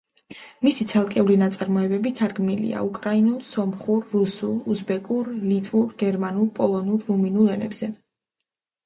მისი ცალკეული ნაწარმოებები თარგმნილია უკრაინულ, სომხურ, რუსულ, უზბეკურ, ლიტვურ, გერმანულ, პოლონურ, რუმინულ ენებზე.